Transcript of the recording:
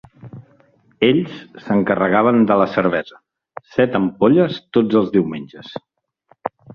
Ells s'encarregaven de la cervesa: set ampolles tots els diumenges.